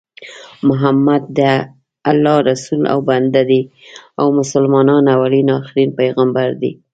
محمد د الله رسول او بنده دي او مسلمانانو اولين اخرين پیغمبر دي